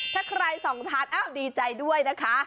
ถ้าใครส่องทานอ้าวดีใจด้วยนะคะ